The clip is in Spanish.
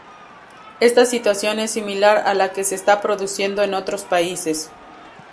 Esta situación es similar a la que se está produciendo en otros países.